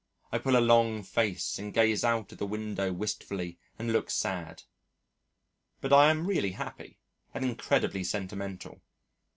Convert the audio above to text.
I pull a long face and gaze out of the window wistfully and look sad. But I am really happy and incredibly sentimental.